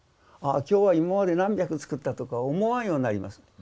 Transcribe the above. ああ今日は今まで何百作ったとか思わんようになります。